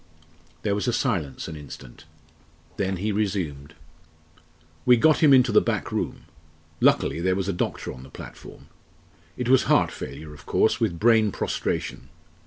There was silence an instant. Then he resumed: "We got him into the back room. Luckily there was a doctor on the platform. It was heart failure, of course, with brain prostration.